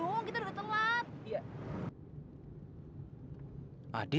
aku sudah selesai